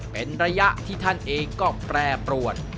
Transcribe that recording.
เป็นระยะที่ท่านเองก็แปรปรวน